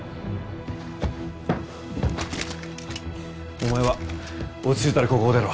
お前は落ち着いたらここを出ろ。